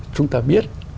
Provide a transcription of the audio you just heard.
chúng ta biết